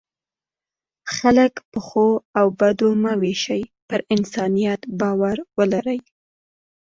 خلک په ښو او بدو مه وویشئ، پر انسانیت باور ولرئ.